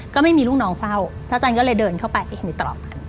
ก็ไม่มีลูกน้องเฝ้าเท้าจันก็เลยเดินเข้าไปในตรอกนั้น